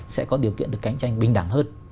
sẽ có điều kiện được cạnh tranh bình đẳng hơn